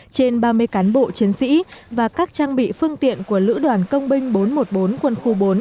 trên ba mươi cán bộ chiến sĩ và các trang bị phương tiện của lữ đoàn công binh bốn trăm một mươi bốn quân khu bốn